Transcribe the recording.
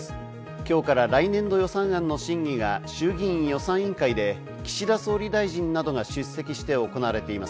今日から来年度予算案の審議が衆議院予算委員会で岸田総理大臣などが出席して行われています。